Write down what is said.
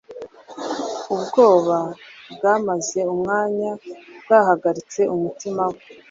Ubwoba bwamaze umwanya bwahagaritse umutima we